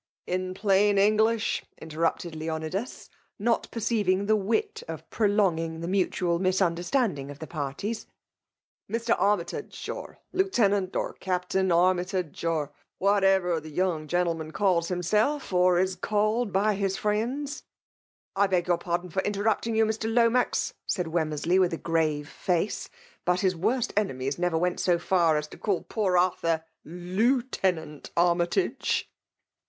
In plain English/' interrupted Leonidas, not perceiving the wit of prolonging tiie mu tual misunderstanding of the parties, Mr. Ar mytage, or Zuni tenant^ or Captain Anaytage, or whatever the young gentleman calls him self^ or is called by his friends^ "'' I beg your pardon far interrupting you, Mr. Lomax/' said Wemmersley with a grave iace, '^ but his worst enemies never went so far as to call poor Arthur Ltoutenuit Armytage